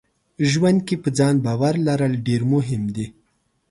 ژوند کې په ځان باور لرل ډېر مهم دي.